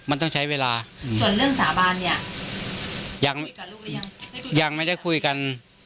มันต้องใช้เวลาส่วนเรื่องสาบานเนี่ยยังไม่ได้คุยกัน